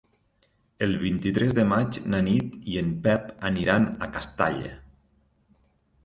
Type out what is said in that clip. El vint-i-tres de maig na Nit i en Pep aniran a Castalla.